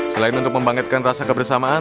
selain untuk membangkitkan rasa kebersamaan